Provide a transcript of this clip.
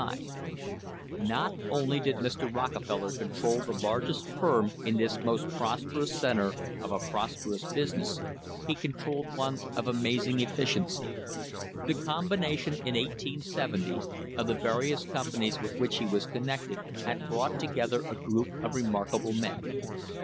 * Not only did Mr. Rockefeller control the largest firm in this most prosperous centre of a prosperous business, he controlled one of amazing efficiency. The com bination, in 1870, of the various companies with which he was connected had brought together a group of remarkable men.